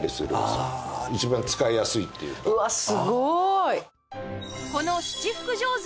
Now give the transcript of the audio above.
うわすごい！